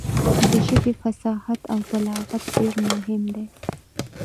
د ژبې فصاحت او بلاغت ډېر مهم دی.